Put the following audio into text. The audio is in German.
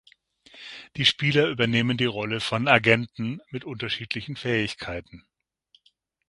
Die Spieler übernehmen die Rolle von „Agenten“ mit unterschiedlichen Fähigkeiten.